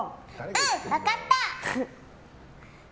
うん！分かった！